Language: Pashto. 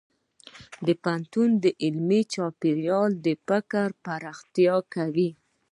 د پوهنتون علمي چاپېریال د فکر پراختیا ورکوي.